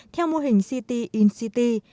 theo mô hình city in city